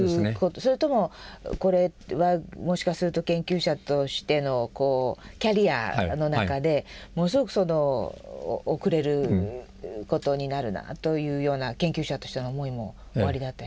それともこれはもしかすると研究者としてのキャリアの中でものすごく遅れることになるなぁというような研究者としての思いもおありだったでしょうか？